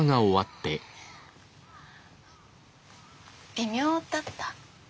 微妙だった？